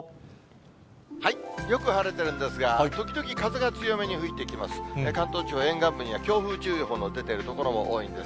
よく晴れてるんですが、時々風が強めに吹いてきます。